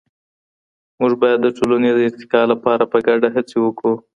موږ بايد د ټولني د ارتقا لپاره په ګډه هڅې وکړو.